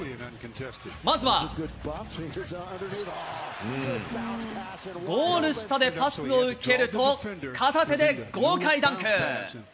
まずはゴール下でパスを受けると、片手で豪快ダンク。